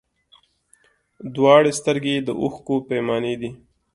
دواړي سترګي یې د اوښکو پیمانې دي